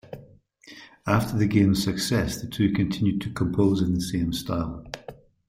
After the game's success, the two continued to compose in the same style.